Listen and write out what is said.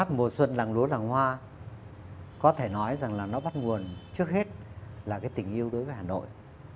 một bài hát mùa xuân làng lúa làng hoa có thể nói rằng là nó bắt nguồn trước hết là cái tình yêu đối với hà nội